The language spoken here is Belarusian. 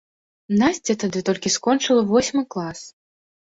Насця тады толькі скончыла восьмы клас.